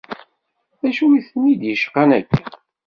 D acu i tent-id-icqan akka?